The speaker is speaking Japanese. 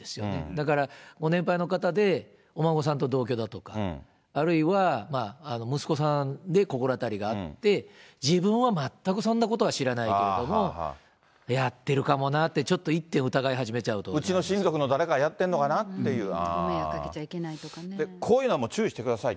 だからご年配の方でお孫さんと同居だとか、あるいは息子さんで心当たりがあって、自分は全くそんなことは知らないけれども、やってるかもなって、うちの親族の誰かがやってん迷惑かけちゃいけないとかね。こういうのは、もう注意してください。